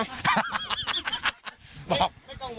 ไม่กังวลเหรอครับ